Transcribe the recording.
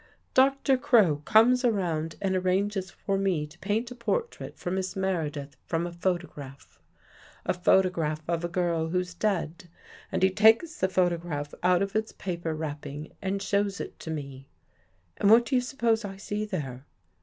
Dr. Crow comes around and ar ranges for me to paint a portrait for Miss Meredith from a photograph — a photograph of a girl who's dead, and he takes the photograph out of its paper wrapping and shows it to me. And what do you suppose I see there?